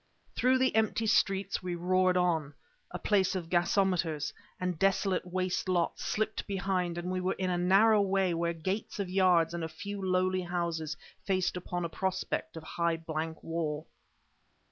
Through the empty streets we roared on. A place of gasometers and desolate waste lots slipped behind and we were in a narrow way where gates of yards and a few lowly houses faced upon a prospect of high blank wall.